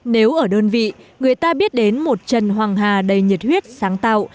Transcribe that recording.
nếu ở đơn vị người ta biết đến một trần hoàng hà đầy nhiệt huyết sáng tạo